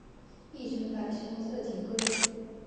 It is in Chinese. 亦称白胸侧颈龟。